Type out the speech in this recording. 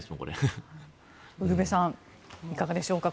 ウルヴェさんいかがでしょうか。